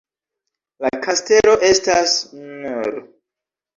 La kastelo estas nr.